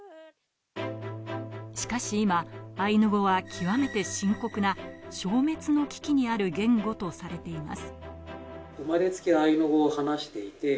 しかし今、アイヌ語は極めて深刻な、消滅の危機にある言語とされています。